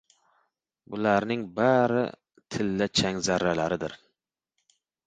– bularning bari tilla chang zarralaridir.